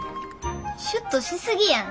シュッとしすぎやん。